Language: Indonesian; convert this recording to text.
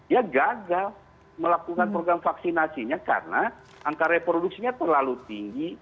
ya gagal melakukan program vaksinasinya karena angka reproduksinya terlalu tinggi